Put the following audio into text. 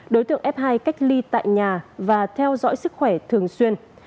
đối tượng f hai cách ly tại nhà và theo dõi sức khỏe thường xuyên